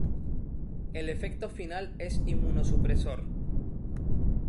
El efecto final es inmunosupresor.